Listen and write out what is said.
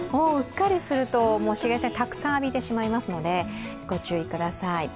うっかりすると紫外線たくさん浴びてしまいますので御注意ください。